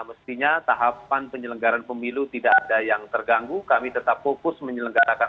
mestinya tahapan penyelenggaran pemilu tidak ada yang terganggu kami tetap fokus menyelenggarakan